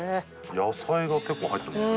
野菜が結構入ってますね。